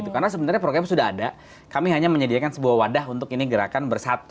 karena sebenarnya program sudah ada kami hanya menyediakan sebuah wadah untuk ini gerakan bersih